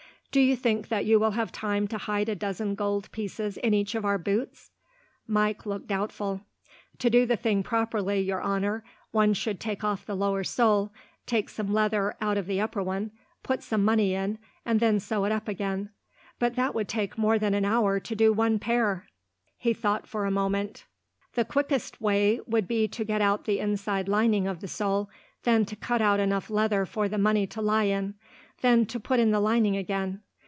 Do you think that you will have time to hide a dozen gold pieces in each of our boots?" Mike looked doubtful. "To do the thing properly, your honour, one should take off the lower sole, take some leather out of the upper one, put some money in, and then sew it up again; but it would take more than an hour to do one pair." He thought for a moment. "The quickest way would be to get out the inside lining of the sole, then to cut out enough leather for the money to lie in, then to put in the lining again.